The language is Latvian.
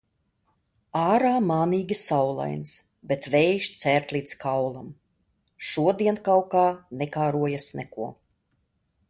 Ārā mānīgi saulains, bet vējš cērt līdz kaulam. Šodien kaut kā nekārojas neko.